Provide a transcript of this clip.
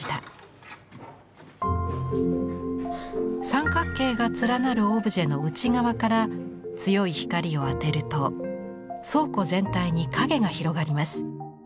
三角形が連なるオブジェの内側から強い光を当てると倉庫全体に影が広がります。